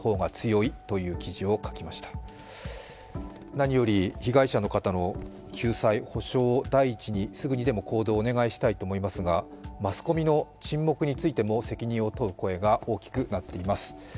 何より、被害者の方の救済、補償を第一に、すぐにでも行動をお願いしたいと思いますがマスコミの沈黙についても責任を問う声が大きくなっています。